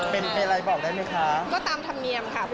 เป็นอะไรบอกได้ไหมคะ